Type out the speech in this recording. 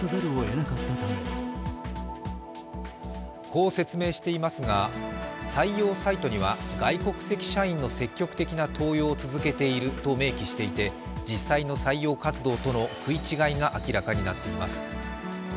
こう説明していますが採用サイトには、外国籍社員の積極的な登用を続けていると明記していて、実際の採用活動との食い違いが明らかになっています。